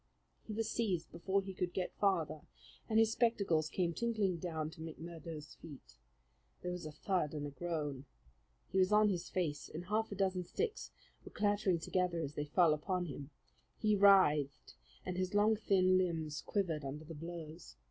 He was seized before he could get farther, and his spectacles came tinkling down to McMurdo's feet. There was a thud and a groan. He was on his face, and half a dozen sticks were clattering together as they fell upon him. He writhed, and his long, thin limbs quivered under the blows.